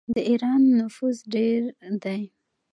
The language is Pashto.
د ایران نفوس ډیر دی.